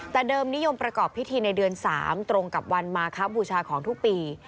แต่เดิมนิยมประกอบพิธีในเดือน๓ตรงกับวันมาครับบูชาของทุกปี